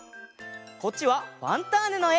こっちは「ファンターネ！」のえ。